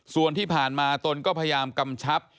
ส่วนที่ผ่านมาตนก็พยายามกำชับ